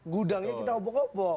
gudangnya kita obok obok